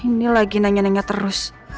ini lagi nanya nanya terus